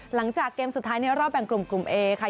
หลังจากเกมสุดท้ายในรอบแบ่งกลุ่มกลุ่มเอค่ะ